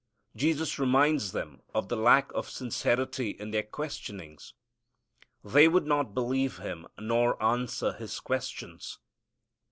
Jesus reminds them of the lack of sincerity in their questionings. They would not believe Him, nor answer His questions.